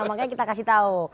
makanya kita kasih tau